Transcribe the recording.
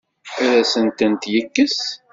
Ad asen-tent-yekkes?